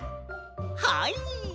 はい。